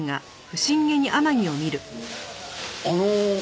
あの。